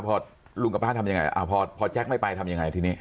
พอลุงกับป้าทำยังไงพอแจ๊คไม่ไปทำยังไงทีนี้